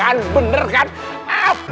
yang pertama saya cat tadi